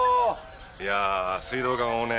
いや水道管をね